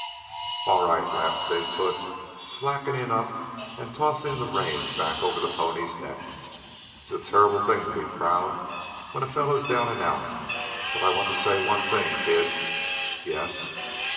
"All right," laughed Big foot, slacking up and tossing the reins back over the pony's neck. "It's a terrible thing to be proud, when a fellow's down and out. But I want to say one thing, kid." "Yes?"